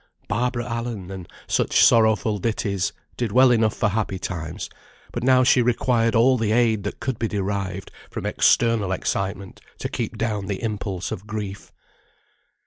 "Barbara Allen," and such sorrowful ditties, did well enough for happy times; but now she required all the aid that could be derived from external excitement to keep down the impulse of grief.